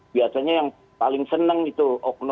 biasanya yang paling seneng itu oknum